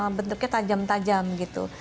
maksudnya tajam tajam gitu